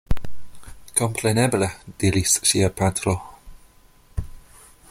Kompreneble! diris ŝia patro.